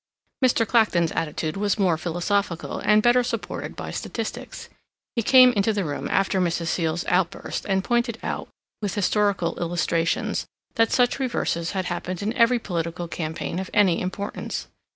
Mr. Clacton's attitude was more philosophical and better supported by statistics. He came into the room after Mrs. Seal's outburst and pointed out, with historical illustrations, that such reverses had happened in every political campaign of any importance.